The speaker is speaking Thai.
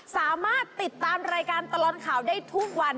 สามารถติดตามรายการตลอดข่าวได้ทุกวัน